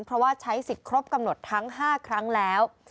เพราะว่าใช้สิทธิ์ครบกำหนดทั้ง๕ครั้งแล้ว